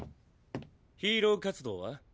ヒーロー活動は？